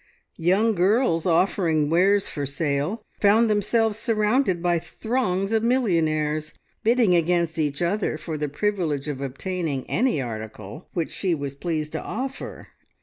Young girls offering wares for sale found themselves surrounded by throngs of millionaires, bidding against each other for the privilege of obtaining any article which she was pleased to offer.